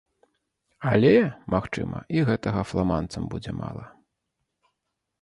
Але, магчыма, і гэтага фламандцам будзе мала.